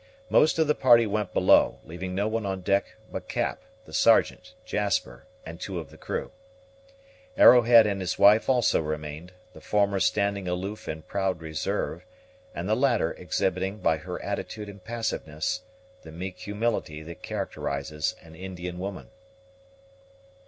Most of the party went below, leaving no one on deck but Cap, the Sergeant, Jasper, and two of the crew. Arrowhead and his wife also remained, the former standing aloof in proud reserve, and the latter exhibiting, by her attitude and passiveness, the meek humility that characterizes an Indian woman.